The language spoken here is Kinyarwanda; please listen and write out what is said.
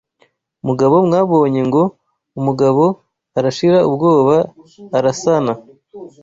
Mugabo, mwabonye ngo umugabo Arashira ubwoba arasana